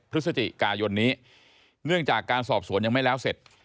พฤศจิกายนนี้เนื่องจากการสอบสวนยังไม่แล้วเสร็จ